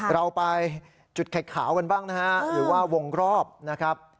เราไปจุดขาวกันบ้างนะฮะหรือว่าวงรอบนะครับ